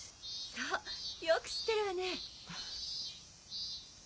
そうよく知ってるわね。